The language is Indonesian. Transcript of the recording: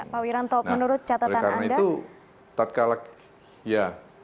pak wiranto menurut catatan anda